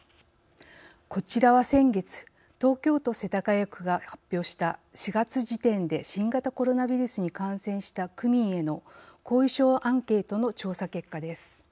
こちらは、先月東京都世田谷区が発表した４月時点で新型コロナウイルスに感染した区民への後遺症アンケートの調査結果です。